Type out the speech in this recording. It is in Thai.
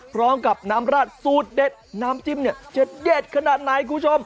พร้อมกับน้ำราดสูตรเด็ดน้ำจิ้มเนี่ยจะเด็ดขนาดไหนคุณผู้ชม